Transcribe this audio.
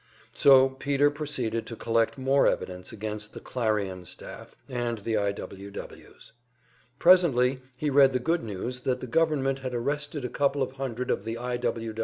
So Peter proceeded to collect more evidence against the "Clarion" staff, and against the I. W. Ws. Presently he read the good news that the government had arrested a couple of hundred of the I.